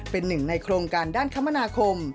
เป็นหนึ่งในโครงการด้านคมนาคม